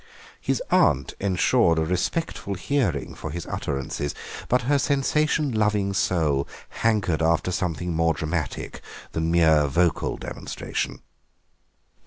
His aunt ensured a respectful hearing for his utterances, but her sensation loving soul hankered after something more dramatic than mere vocal demonstration.